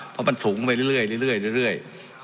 เพราะมันถุงไปเรื่อย